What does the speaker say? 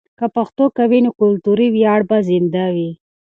که پښتو قوي وي، نو کلتوري ویاړ به زنده وي.